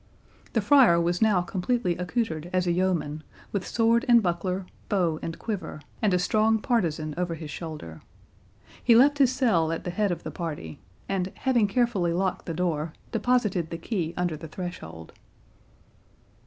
The friar was now completely accoutred as a yeoman, with sword and buckler, bow, and quiver, and a strong partisan over his shoulder. He left his cell at the head of the party, and, having carefully locked the door, deposited the key under the threshold.